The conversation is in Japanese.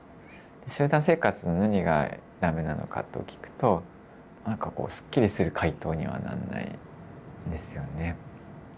集団生活の何が駄目なのかと聞くとなんかこうすっきりする回答にはなんないんですよね。